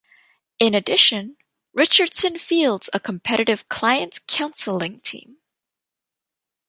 In addition, Richardson fields a competitive Client Counseling Team.